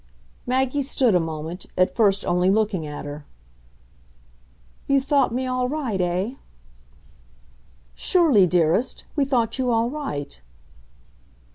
Maggie stood a moment, at first only looking at her. "You thought me all right, eh?" "Surely, dearest; we thought you all right."